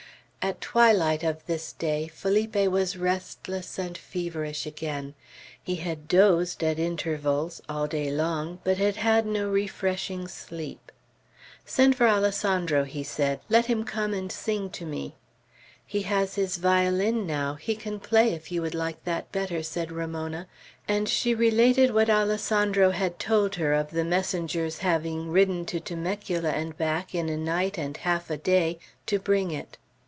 At twilight of this day Felipe was restless and feverish again. He had dozed at intervals all day long, but had had no refreshing sleep. "Send for Alessandro," he said. "Let him come and sing to me." "He has his violin now; he can play, if you would like that better," said Ramona; and she related what Alessandro had told her of the messenger's having ridden to Temecula and back in a night and half a day, to bring it.